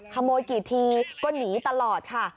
ขโมยกี่ทีก็หนีตลอดค่ะ